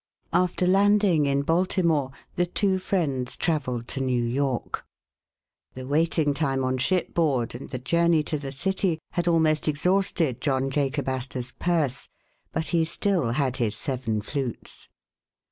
After landing in Baltimore the two friends traveled to New York. The waiting time on shipboard and the journey to the city, had almost exhausted John Jacob Astor 's purse, but he still had his seven flutes.